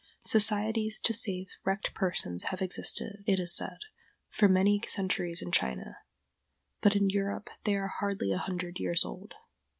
Societies to save wrecked persons have existed, it is said, for many centuries in China, but in Europe they are hardly a hundred years old.